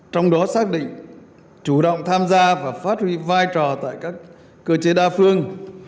trong đó xác định chủ động tham gia và phát huy vai trò tại các cơ chế đa phương